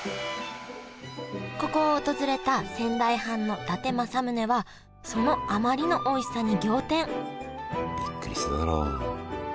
ここを訪れた仙台藩の伊達政宗はそのあまりのおいしさに仰天びっくりしただろう。